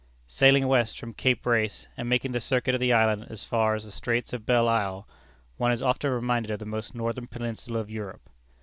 Sailing west from Cape Race, and making the circuit of the island as far as the Straits of Belle Isle, one is often reminded of the most northern peninsula of Europe.